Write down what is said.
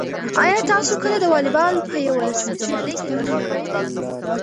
آیا تاسو کله د واليبال په یوه رسمي سیالۍ کې ګډون کړی دی؟